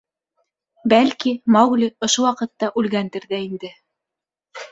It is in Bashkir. — Бәлки, Маугли ошо ваҡытта үлгәндер ҙә инде.